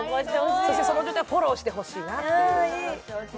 そしてその状態をフォローしてほしいなっていう。